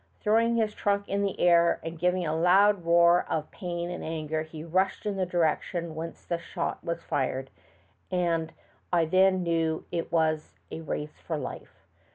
Throw ing his trunk in the air and giving a loud roar of pain and anger, he rushed in the direction whence the shot was fired, and I then knew that it was a race for life.